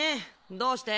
どうして？